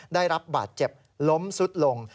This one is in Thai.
ได้รับบาดเจ็บล้มสุดลง